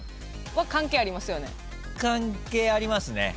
関係ありますね。